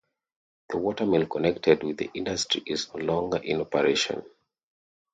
The watermill connected with the industry is no longer in operation.